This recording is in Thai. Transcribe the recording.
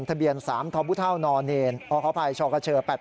ทะเบียน๓ทพนอคภชก๘๘๖๘